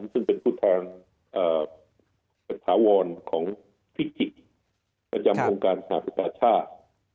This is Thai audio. ซึ่งเป็นผู้ทางประสาวรณ์ของภิกษ์ประจำโครงการศาสตร์ประชาติ